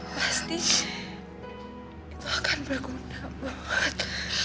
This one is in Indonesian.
pasti itu akan berguna buat